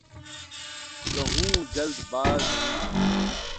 تو ہوں‘ جلد باز نہیں۔